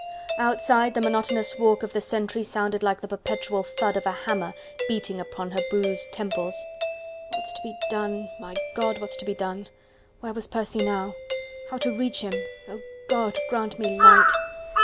Outside the monotonous walk of the sentry sounded like the perpetual thud of a hammer beating upon her bruised temples. "What's to be done? My God? what's to be done?" Where was Percy now? "How to reach him!... Oh, God! grant me light!"